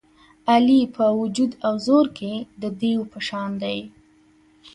علي په وجود او زور کې د دېو په شان دی.